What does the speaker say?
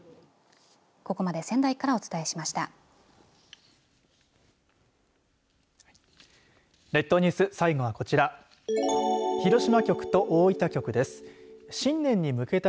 ここまで仙台からお伝えしました。